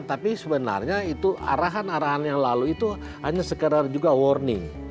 tapi sebenarnya itu arahan arahan yang lalu itu hanya sekedar juga warning